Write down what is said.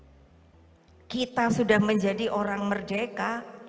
kalau kita sudah menjadi orang merdeka